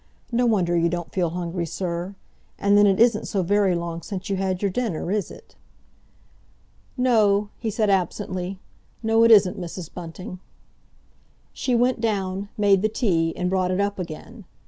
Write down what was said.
"No wonder you don't feel hungry, sir. And then it isn't so very long since you had your dinner, is it?" "No," he said absently. "No, it isn't, Mrs. Bunting." She went down, made the tea, and brought it up again.